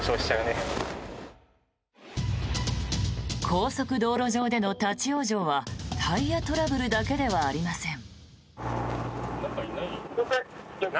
高速道路上での立ち往生はタイヤトラブルだけではありません。